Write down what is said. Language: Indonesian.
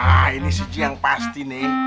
nah ini sih ji yang pasti nih